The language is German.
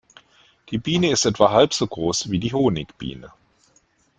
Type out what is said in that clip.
Die Biene ist etwa halb so groß wie die Honigbiene.